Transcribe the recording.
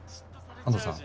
安藤さん？